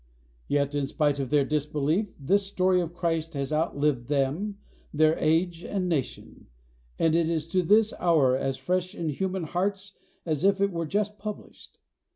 Yet in spite of their disbelief, this story of Christ has outlived them, their age and nation, and is to this hour as fresh in human hearts as if it were just published.